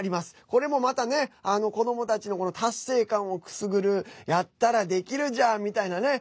これもまたね子どもたちの達成感をくすぐるやったらできるじゃん！みたいなね